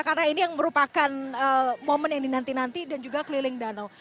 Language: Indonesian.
karena ini yang merupakan momen yang dinanti nanti dan juga keliling danau